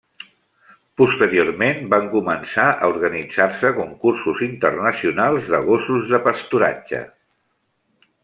Posteriorment van començar a organitzar-se concursos internacionals de gossos de pasturatge.